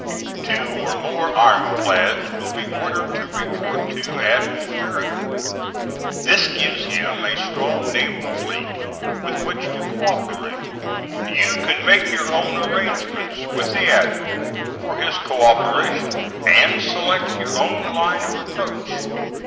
Two or more iron clads will be ordered to report to Admiral Farragut. This gives him a strong naval fleet with which to co operate. You can make your own arrangements with the admiral for his co operation, and select your own line of approach.